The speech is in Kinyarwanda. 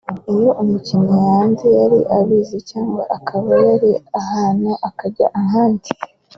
iyo umukinnyi yanze yari abizi cyangwa akaba yari ahantu akajya ahandi